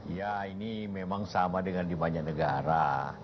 ya ini memang sama dengan di banyak negara